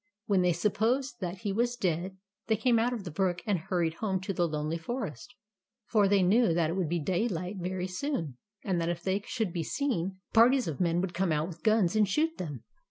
When they supposed that he was dead, they came out of the brook and hurried home to the Lonely Forest; for they knew that it would be daylight very soon, and that if they should be seen, par ties of men would come out with guns, and shoot them.